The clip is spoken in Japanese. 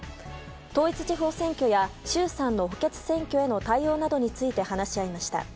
統一地方選挙や衆参の補欠選挙への対応などについて話し合いました。